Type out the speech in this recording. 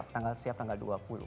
tanggal siap tanggal dua puluh